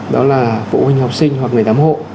đó là phụ huynh học sinh hoặc người giám hộ